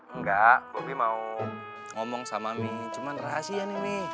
enggak bobi mau ngomong sama mi cuman rahasia nih mi